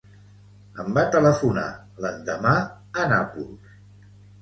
Em va telefonar l'endemà, a Nàpols.